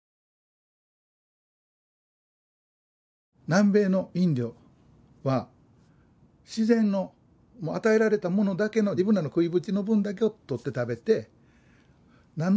南米のインディオは自然のもう与えられたものだけの自分らの食いぶちの分だけを取って食べて何のストレスも感じなくやってる社会で。